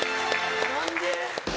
何で？